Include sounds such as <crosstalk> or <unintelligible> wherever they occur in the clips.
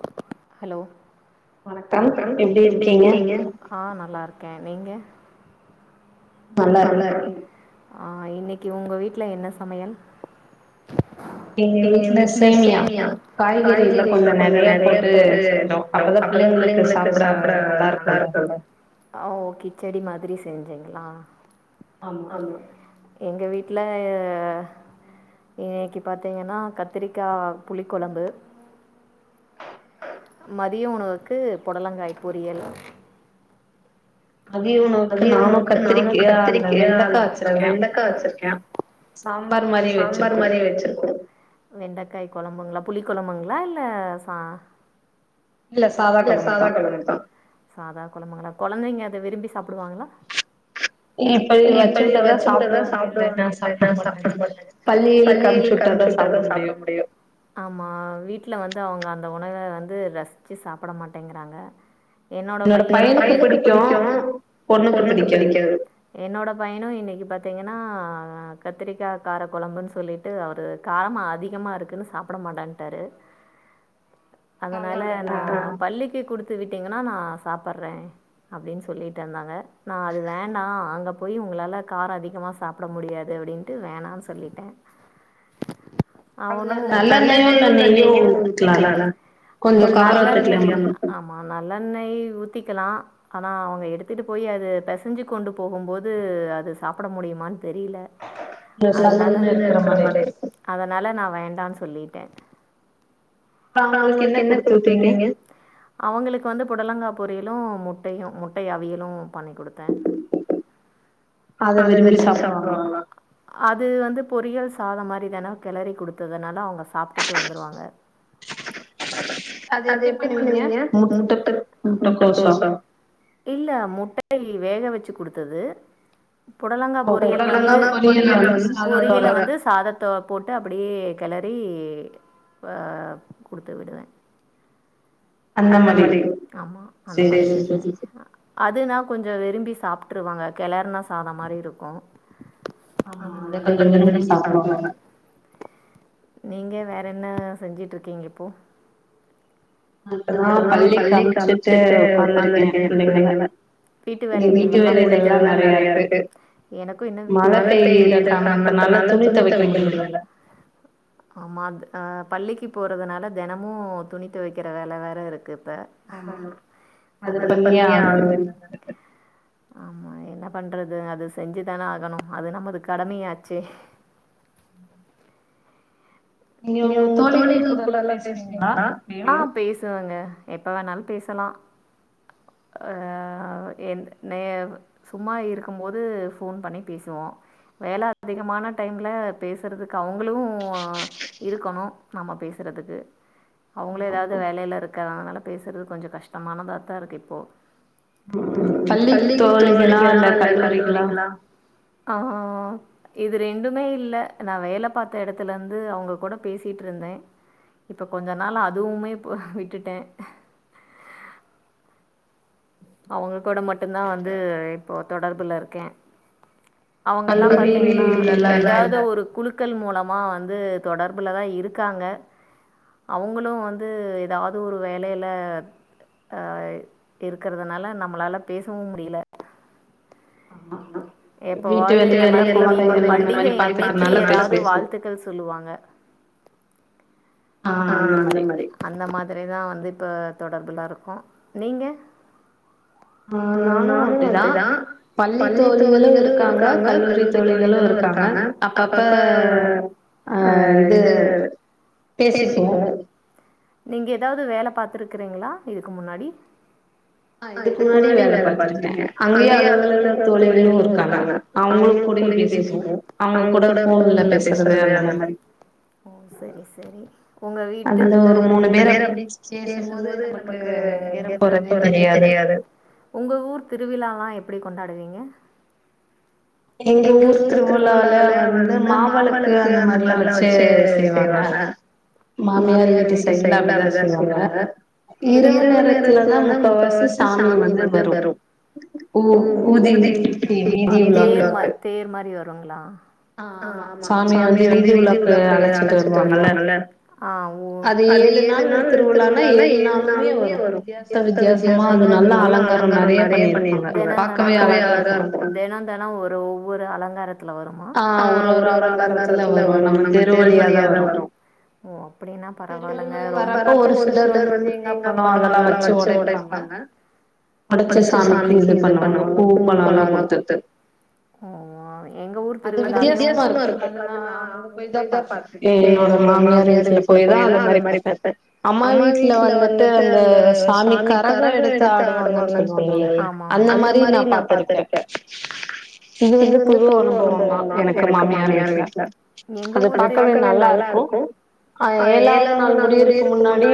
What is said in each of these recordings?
<inaudible> hello வணக்கம் எப்டி இருக்கீங்க ஆஹ நல்லா இருக்கே நீங்க நல்லா இருக்கேன் இன்னைக்கு உங்க வீட்டில் என்ன சமையல் எங்க வீட்டுல சேமியா காய்கற எல்ல கொஞ்சம் நிறைய போட்டு அப்பதான் பிள்ளைங்களுக்கு சாப்பிட நல்லா இருக்கும் யும் சேரி மா செஞ்சீங்களா ஆமா எங்க வீட்டில் இன்னைக்கு பார்த்திங்கன்னா கத்திரிக்காய் புளிக்கழம்பு மதிய உணவுக்கு புடலங்காய் பொரியல் மதிய உணவுக்கு நானும் கத்திரிக்க வெண்டக்கா வச்சிருக்கேன் சாம்பார் மாரி வச்சிருக்கோம் வெண்டைக்காய் குழம்புங்களா புளி குழம்புங்களா இல்ல ச இல்ல சாதா கொழம்புங்கதான் சாதா குழமங்கள கொழந்தைங்க அத விரும்பி சாப் அப்பிடுவாங்களா இப்படி வச்சு விட்டதான் சாப்பிடுவாங்க இல்லானா சாப்பிட மாங்க பள்ளியில கரைச்சு விட்ட தான் சாப்பிட முடியும் ஆமா வீட்டுல வந்து அவங்க அந்த உணவை வந்து ரசிச்சு சாப்பிட மாட்டேங்கிறாங்க என்னோட பையனோ பயனுக்கு பிடிக்கும் பொண்ணுக்கு பிடிக்காது என்னோட பையனும் இன்னைக்கு பாத்தீங்கன்னா கத்திரிக்கா கார குழம்புன்னு சொல்லிட்டு அவரு காரம அதிகமா இருக்குன்னு சாப்பிட மாட்டான்ட்டாரு அதனால நான் பள்ளிக்கு குடுத்து விட்டு டிங்கன்னா நான் சாப்பட்றே அப்டின்னு சொல்லிட் ந்தாங்க நான் அது வேண்ணாம் அங்க போய் உங்களால கார் அதிகமா சாப்பிட முடியாது அப்படின்ட்டு வேணாம்னு சொல்லிட்டேன் அவனும் நல்லண்ணெய நய்யும் ஊத்துனாதான் கொஞ்சம் காரம் தெரியாம இருக்கு ஆமா நல்லண்ணெய் ஊ க்கலா ஆனா அவங்க எடுத்து கத்தட்டு போய் அது பசைஞ்சு கொண்டு போகும்போது அது சாப்பிட முடியுமான்னு தெரியல இரு சொத சொதான்னு அதனால நான் வேண்டான்னு சொல்லிட்டேன் அவங்களுக்கு என்ன கொடுத்துட்டீங்க அவங்களுக்கு வந்து புடலங்கா பொரியலும் முட்டையும் முட்டை அவியலும் பண்ணி் கொடுத்தேன் அத விரும்பி சாப்பவாங்களா அது வந்து பொரியல் சாத மாரி தானே கிளறி குடுத்ததுனால அவங்க சாப்பிட்டுட்டு வந்துருவாங்க அது எப்படி பண்ணுவீங்க முட்டை முட்டைக்கோச இல்ல முட்ட முட்டைய வேக வச்சு கொடுத்தது புடலங்கா பொரியல் பொ பொறரியலை வந்து சாதத்த போட்டு அப்படியே கலரி கொடுத்து விடுவேன் அந்த மாரி செரி செரி அதுனா கொஞ்சம் விரும்பி சாப்ப விட்டுருவாங்க கிளறுனா சாதம் மாரி இருக்கும் ஆமா அத கொஞ்சம் விரும்பி சாப்படுவாங்க நீங்க வேற என்ன செஞ்சுட்டுருக்கீங்க இப்போ அதுதான் பள்ளி காமிச்சுட்டு உட்காந்தது இருக்கேன் வேல வீட்டு வேலகள் ல்லாம் நைய இருக்கு எனக்கும் இன்னும் நேரிய இருக்கு மழை பெயற கத்தனால துணி துவைக்க முடிய ஆமா பள்ளிக்கு போகறதுனால தினமும் துணி துவைக்கிற வேலை வே இருக்கு ஆமா அது பண்ணியே ஆகவே ஆம்மா என்ன பண்றது அது செஞ்சுதானே ஆகணும் அது நமது கடமையாச்சு நீங்க உங்க தோழில கூட எல்லாம் பேசுவீங்களா ஆ பேசுவாங்க எப்போ வேணாலும் பேசலாம் எந சும்மா இருக்கும்போது ஃபோன் பண்ணி பேசுவோம் வேல அதிகமான டைமில் பேசுறதுக்கு அவங்களும் இருக்கணும் நம்ம பேசுகறதுக்கு அவங்களே எதாவது வேலயில் இருக்கனனால பேசுகிறது கொஞ்சம் கஷ்டமானதா தான் இருக்கு இப்போ ம் பள்ளி தோழிகளா இல்ல கல்லூரிகளா ஆஹ் இது ரெண்டுமே இல்ல நான் வேல பார்த்த இடத்துல இருந்து அவங்க கூட பேசிட்டு இருந்தேன் இப்ப கொஞ்ச நாள் அதுவுமே விட்டுட்டேன் அவங்க கூட மட்டும்தான் வந்து இப்போ தொடர்புல இருக்கேன் அவங்கல்லாம் பத்தீங்க கல்லூரி தோழிகளா ஏதாவது ஒரு குழு பொக்கள் மூலமா வந்து தொடர்பில் தான் இருக்காங்க அவங்களும் வந்து ஏதாவது ஒரு வேலயில் இருக்கு இருக்கறதுனால நம்மளால பேசவும் முடியல எப்ப வ மண்டிகை இணைத்து ஏதாவது வாழ்த்துக்கள் சொல்லுவாங்க <unintelligible> ஆ அந்த மாரி அந்த மாரி அல தான் வந்து இப்போ தொடர்புல இருக்கும் நீங்க ஆ நானும் அப்டிதான் பள்ளி தோழிகளும் இருக்காங்க கல்லூரி தோழிகளும் இருக்காங்க அப்பப்ப அ இது பேசிக்குவோம் நீங்க ஏதாவது வேல பார்த்தருக்குறீங்களா இதுக்கு முன்னாடி ஆ இதுக்கு முன்னாடி வேல பாத்துருக்கேன் அங்கயே அலுவலக தோழிகளும் இருக்காங்க அவங்களுக்கு கூட பேசிப்போம் அவங்க கூட போன்ல பேசுறது அந்த மாிரி ம் செரி செரி உங்க வீட்டு அதூல ஒரு மூணு பேர் அப்டி பேசும்போது நமக்கு நேரம் போறதே தெரியாது உங்க ஊர் திருவிழால்லாம் அப்டி கொண்டாடுவீங்க எங்க ஊர் திருவிழாவால வந்து மாவளுக்கு அந்த மாதிர எல்லாம் வச்சு செய்வாங்க மாமியார் வீட்டு சைடல அப்படித்தான் செய்ல்றாங்க இரவு நேரத்துலதான் முக்கால்வாசி சாமி வந்து வரும் ஊதி <unintelligible> மாரி வருங்களா ஆஹ் ஆமா சாமிய வந்து வீதி உலாக்கு அழைச்சிட்டு வருவாங்கல ஆஓ அது ஏழு நாள் திருவுழளாள ஏழு நாளுமே வரும் வித்தியாச வித்தியாசமா அது நல்லா அலங்கார நறைய பன்னிருபாங்க தின தினம் அழகா இருக்கும் தின தனம் ஒரு ஒவ்வொரு அலங்கார வருமா ஆஹ் ஒரு ஒரு அலங்காரத்துல வரும் நம்ம தெருவழியாதான் வரும் அப்டினா பரவலாங்க ரொம்ப ஒரு சிலர் வந்து தேங்கா பழம் அதெல்லாம் வச்சு உடைப்பாங் உடைச்சு சாமிக்கு இது பண்ணுவங்க பூ பழ எல்லாம் குடுத்து அது வித்தியாசமா இருக்கு அது நான் அங்க போய் தான் பாத்தேன் என்னோட மாமியார் வீட்டுல போய்தான் <unintelligible> அம்மா வீட்டுல வந்துட்டு அந்த சாமி கரகம் எடுத்து ஆடுவாங்கன்னு சொல்லுவாங்க அந்த மாரி நான் பாத்துருக்கேன் இது வந்து பொதுவ அனுபவம் தான் எனக்கு மாமியார் வீட்டுல எங்கஊர்ல பாக்கவே நல்லா இருக்கும் அஹ் ஏழாவது நாள் முடியறக்கு முன்னாடி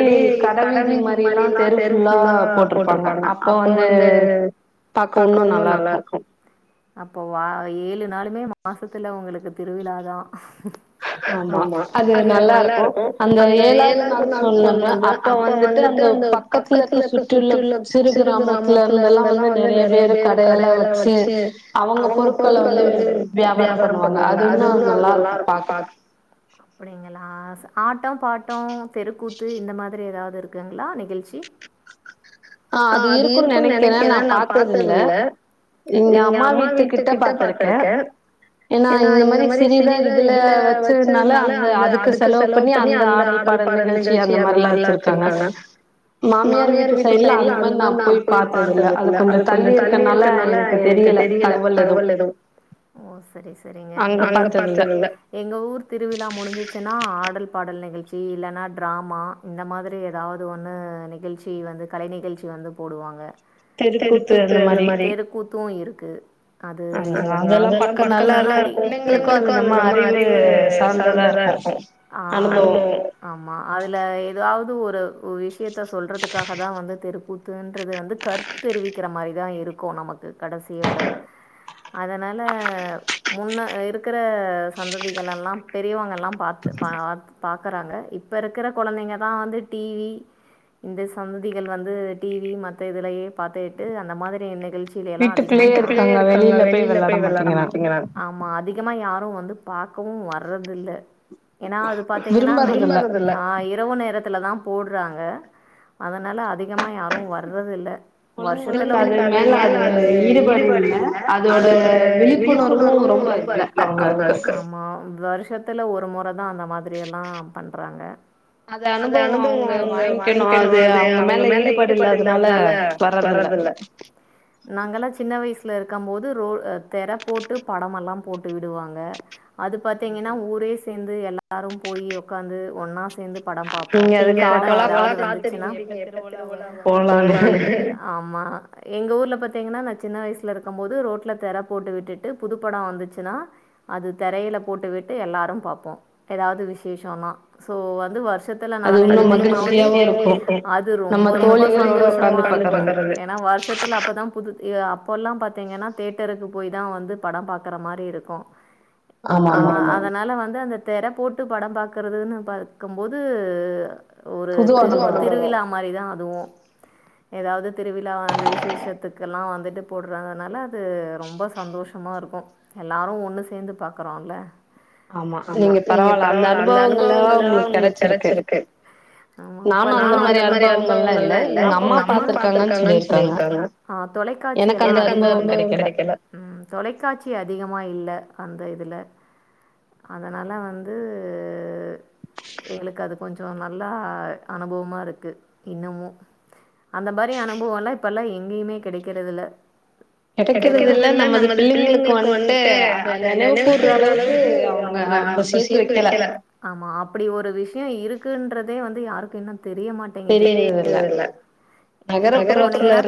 கடைவீதி மாரி எல்லாம் தெரு ஃபுல்லா போட்டிருப்பாங்க அப்ப வந்து பாக்க ஒன்னும் நல்லா இருக்கும் அப்போ வா ஏழு நாளுமே மாசத்துல உங்களுக்கு திருவிழாதான் ஆமா அது அது நல்லா இருக்கும் அந்த ஏழாவது நாள் சொல்ல அப்ப வந்துட்டு அந்த பக்கத்துல இருக்க சுற்றிள்ள சிறு கிராமத்துல இருந்தெல்லாம் வந்து நிறைய பேரு கடையளை வச்சு அவங்க பொருட்கள வந்து வியாபாரம் பண்ணுவாங்க அதுன்ன அது நல்லா இருக்கும் பா அப்படிங்களா ஆட்டம் பாட்டம் தெருக்கூத்து இந்த மாதிரி ஏதாவது இருக்குங்களா நிகழ்ச்சி ஆஹ் அது இருக்கும்ன்னு நெனைக்கிறேன் நான் பார்த்ததில்ல எங்க அம்மா வீட்டு கிட்ட பாத்துருக்கேன் ஏன்னா இந்த மாதிரி சிறிதா இதுல வச்சனால அந்த அதுக்கு செலவு பண்ணி அந்த ஆடல் பாடல் நிகழ்ச்சி அந்த மாறிலாம் வச்சிருக்காங்க மாமியார் வீட்டு சைடுல அந்த மாி நான் போய் பார்த்ததில்ல அது கொஞ்சம் தள்ளி இருக்கனால எனக்கு தெரியல தகவல் எதுவும் ஓ செரி செரிங்க அங்க பார்த்தது இல்ல எங்க ஊர் திருவிழா முடிஞ் ஆச்சின்னா ஆடல் பாடல் நிகழ்ச்சி இல்லைனா ட்ராமா இந்த மாதிரி ஏதாவது ஒண்ணு நிகழ்ச்சி வந்து கலை நிகழ்ச்சி வந்து போடுவாங்க தெருக்கூத்து அந்த மாரி தெருக்கூத்தும் இருக்கு அது <unintelligible> அதெல்லாம் பக்கா நல்லா இருக்கும் பிள்ளைங்களுக்கும் அது நம்ம அறிவு சார்ந்ததா இருக்கும் ஆஹ் அனுபவம் ஆமா அதுல ஏதாவது ஒரு விஷயத்த சொல்றதுக்காக தான் வந்து திருப் தெருக்குயிங்கத்துன்றது வந்து கருத்து தெரிவிக்கிற மாரி தான் இருக்கும் நமக்கு கடைசியோட அதனால முன்ன இருக்கிற சந்ததிகெல்லாம் பெரியவங்கல்லாம் பார்த் பா பாக்குறாங்க இப்ப இருக்கிற குழந்தைங்க தான் வந்து டிவி இந்த சந்ததிகள் வந்து டிவி மத்த இதுலே பார்த்துட்டு அந்த மாதிரி நிகழ்ச் நிகழ்ச்சிலைலாம் அதிகமா வீட்டுக்குள்ளேயே இருக்காங்க வெளியில போய் விளாட மாட்டீங்கராங்க ஆமா அதிகமா யாரும் வந்து பார்க்கவும் வர்றதுல்ல ஏன்னா அது பாத்தீங்கன்னா விரும்பறதுல ஹான் இரவு நேரம் த்துலதா போடுறாங்க அதனால அதிக அதிகமா யாரும் வர்றது இல்ல வருஷத்துலங்களுக்கு அது மேல அது ஈடுபாடு இல்ல அதோட விழிப்புணர்வும் ரொம்ப இல்ல அவங்க்கு ஆமா வருஷத்துல ஒரு முற அந்த மாதிரி எல்லாம் பண்றாங்க அத அனுபவம் அவங்க வாங்கிக்கணும் அவங்க மேல ஈடுபாடு இல்லாதனால வரதில்ல நாங்களா சின்ன வயசுல இருக்கம் போது ரோ திர போட்டு படமெல்லாம் போட்டு விடுவாங்க அது பார்த்தீங்கன்னா ஊரே ந்து எல்லாரும் போய் உட்காந்து ஒன்னா சேர்ந்து படம் பாப்போம் இங்க <unintelligible> ஆவளா <unintelligible> எப்ப திருவிழா வருட்டு போலன்னு ஆமா எங்க ஊர்ல பா பாத்தீங்கன்ன நா சின்ன வயசுல இருக்கும் போது ரோட்ல தெரே போட்டு விட்டுட்டு புதுப்படம் வந்துச்சுன்னா அது தெரையில போட்டுவிட்டு எல்லாரும் பாப் ப்போ ஏதாவது விசேஷோனா சோ வந்து வருஷ மொத்துல <inaudible> அது ரொம்ப ரொம்ப சந்தோஷமா இருக்கோ ஏன்னா வருஷத்துல அப்பதா புது அப்பலா பார்த்தீங்கன்னா தியேட்டருக்கு போய் தான் வந்து படம் பார்க்கற மாரி இருக்கோ ஆமா அதனால வந்து அந்த தெர போட்டு படம் பார்க்குறதுன்னு பாக்கும்போது ஒரு <inaudible> திருவிழா மாரிதா அதுவு ஏதாவது திருவிழா அந்த விசேஷத்துக் குகெலாம் வந்துட்டு போடுறனால அது ரொம்ப சந்தோஷமா இருக்கோ எல்லாரும் ஒண்ணு சேர்ந்து பாக்குறோல ஆமா நீங்க பரவால்ல அந்த அனுபவங்கள் எல்லா உங்களுக்கு கிடைச்சிருக்கு ஆமா <inaudible> நானு அந்த மாரி அனுபவங்கள் எல்லாம் இல்ல எங்க அம்மா பாத்துருக்காங்க சொல்லியிருக்காங்க ஆ தொலைக்காட்சி எல்லா எனக்கு அந்த அனுபவம் கெடைக்கல ம் தொலைக்காட்சி அதிகமா இல்ல அந்த இதுல அதனால வந்து எங்களுக்கு அது கொஞ்ச நல்லா அனுபவமா இருக்கு இன்னமு அந்த மாரி அனுபவமெல்லா இப்பெல்லா எங்கேயுமே கிடைக்கறதில்ல கிடைக்கறது இல்ல நமது பிள்ளைங்களுக்கு வந்ட்டு அத நினைவு கூற்ற அளவுக்கு அவுங்க உங்க அவுங்க சேர்த்து வைக்கல ஆமா அப்டி ஒரு விஷய இருக்குன்றதே வந்து யாரு தின்ன தெரிய மாட்டேங்கிது தெரியற்தில்ல <inaudible> இப்போ போனீங்கன்னா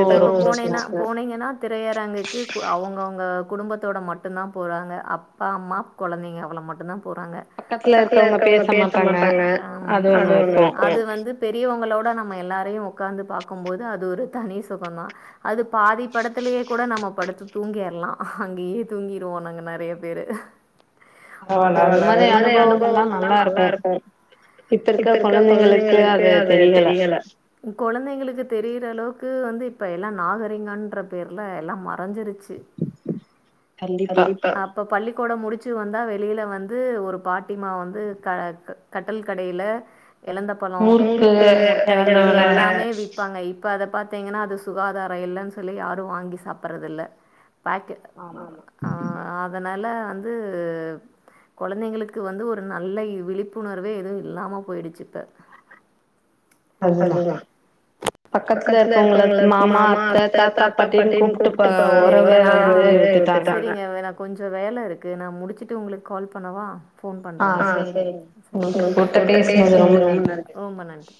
இப்போ போனேன்னா-போனீங்கன்னா திரையரங்குக்கு அவுங்க அவுங்க குடும்பத்தோட மட்டுந்தா போறாங்க அப்பா அம்மா குலந்தைங்க அவ்ள மட்டுந்தான் போறங்க பக்கத்தில இருக்கவங்க பேச மாட்டாங்க ஆமா அது ஒண்ணு இருக்கோ அது வந்து பெரியவங்களோட நம் எல்லாரையு உக்கார்ந்து பாக் பாக்கும்போது அது ஒரு தனி சொகந்தா அது பாதி படத்துலேயே கூட நம்ம படுத்து தூங்கிற்லா அங்கேயே தூங்கிருவோம் நாங்க நெறைய பேரு <inaudible> அது மாரி அனுபவங்கலெல்லா நல்லா இருக்கும் இப்ப இருக்க குழந்தைங்களுக்கு அது தெரியல குழந்தைங்களுக்கு தெரியிற அளவுக்கு வந்து இப்ப எல்லாம் நாகரிகோன்ற பேர்ல எல்லாம் மா மறைஞ்சிருச்சி கண்டிப்பா அப்ப பள்ளி கூடம் முடிச் சி வந்தா வெளியில வந்து ஒரு பாட்டிமா வந்து க கட்டில் கடையில எலந்த பழம் முறுக்கு கடலைமிட்டாய் எல்லாமே விப்பாங்க இப் இப்ப அத பார்த்தீங்கன்னா அது சுகாதார இல்லன்னு சொல்லி யாரும் வாங்கி சாப்பிடறதில்ல பாட்டு ஹா ஆஹ் அதனால வந் து குழந்தைங்களுக்கு வந்து ஒரு நல்ல விழிப்புணர்வே எதுவும் இல்லாம போயிடுச்சி இப்ப அதுதா பக்கத்துல இருக்கவங்கள மாமா அத்தை தாத்தா பாட்டின்னு கூப்பிட்டு பா செரிங்க நா வந்து விட்டுட்டாங்க செரிங்க கொஞ்ச வேலை இருக் நா முடிச்சுட்டு உங்களுக்கு கால் பண்ணவா போன் பண்றங்க ஆஹ் செரிங்க உங்களுக்கு உங்கிட்ட பேசினது ரொம்ப நன்றி ரொம்ப நன்றி